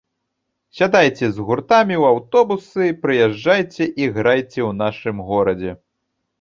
Сядайце з гуртамі ў аўтобусы прыязджайце і грайце ў нашым горадзе.